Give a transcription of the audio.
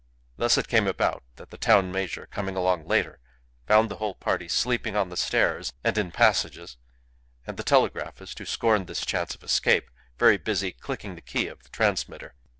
Thus it came about that the town major, coming along later, found the whole party sleeping on the stairs and in passages, and the telegraphist (who scorned this chance of escape) very busy clicking the key of the transmitter.